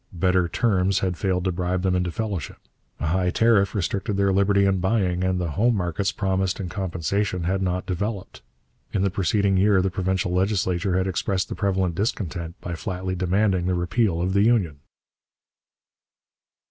'Better terms' had failed to bribe them into fellowship. A high tariff restricted their liberty in buying, and the home markets promised in compensation had not developed. In the preceding year the provincial legislature had expressed the prevalent discontent by flatly demanding the repeal of the union.